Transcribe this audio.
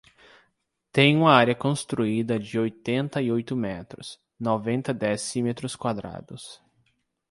Tem uma área construída de oitenta e oito metros, noventa decímetros quadrados.